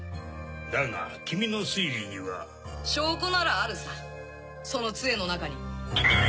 だが君の推理には。証拠ならあるさその杖の中に！